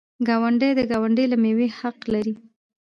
ګاونډی د ګاونډي له میوې حق لري.